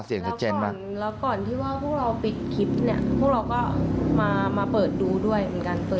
แล้วก่อนที่ว่าพวกเราปิดคลิปเนี่ยพวกเราก็มาเปิดดูด้วยเหมือนกัน